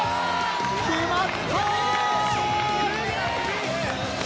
決まった！